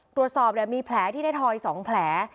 ตรวจสอบเนี่ยมีแผลที่ได้ถอย๒แผล